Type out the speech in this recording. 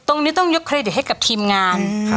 ตรงนี้ต้องยกเครดิตให้กับทีมงาน